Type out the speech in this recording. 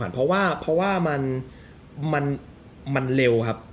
เพราะว่ามันเร็วครับ